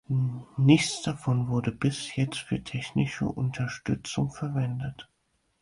Nichts davon wurde bis jetzt für technische Unterstützung verwendet.